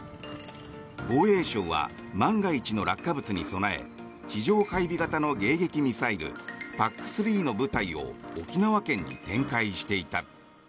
防衛省は万が一の落下物に備え地上配備型の迎撃ミサイルＰＡＣ３の部隊を沖縄県に展開していた。